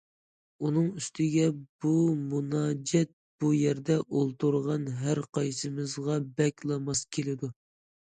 ئۇنىڭ ئۈستىگە بۇ مۇناجات بۇ يەردە ئولتۇرغان ھەر قايسىمىزغا بەكلا ماس كېلىدۇ.